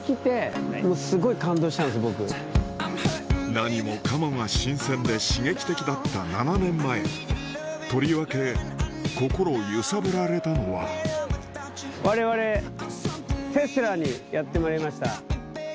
何もかもが新鮮で刺激的だった７年前とりわけ心揺さぶられたのは我々テスラにやってまいりました。